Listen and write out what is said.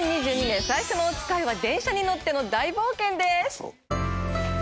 ２０２２年最初のおつかいは電車に乗っての大冒険です。